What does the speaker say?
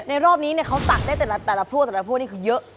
ในรอบนี้เนี่ยเขาตักได้แต่ละพรั่วแต่ละพรั่วนี้คือเยอะ